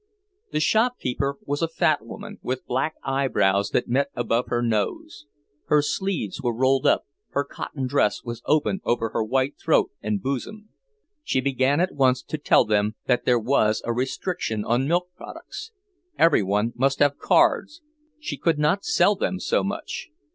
The shopkeeper was a fat woman, with black eyebrows that met above her nose; her sleeves were rolled up, her cotton dress was open over her white throat and bosom. She began at once to tell them that there was a restriction on milk products; every one must have cards; she could not sell them so much.